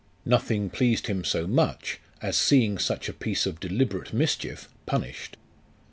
Nothing pleased him so much as seeing such a piece of deliberate mischief punished.